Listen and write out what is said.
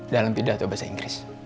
dalam pindah atau bahasa inggris